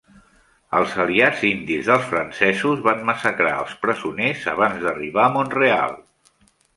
Els aliats indis dels francesos van massacrar els presoners abans d'arribar a Mont-real.